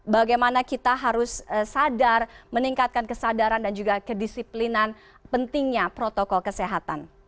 bagaimana kita harus sadar meningkatkan kesadaran dan juga kedisiplinan pentingnya protokol kesehatan